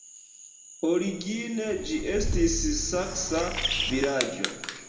Origine ĝi estis saksa vilaĝo.